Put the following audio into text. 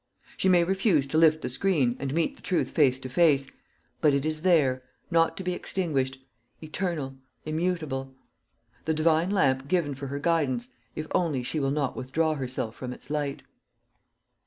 She may refuse to lift the screen, and meet the truth face to face; but it is there not to be extinguished eternal, immutable; the divine lamp given for her guidance, if only she will not withdraw herself from its light.